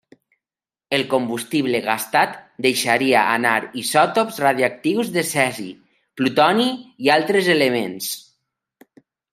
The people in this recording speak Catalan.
El combustible gastat deixaria anar isòtops radioactius de cesi, plutoni i altres elements.